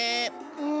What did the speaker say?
うん。